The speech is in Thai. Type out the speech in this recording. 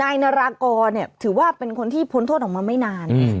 นารากรเนี่ยถือว่าเป็นคนที่พ้นโทษออกมาไม่นาน